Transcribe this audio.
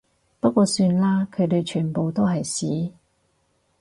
不過算啦，佢哋全部都係屎